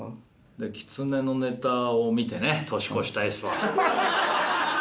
きつねのネタを見て年越したいっすわ。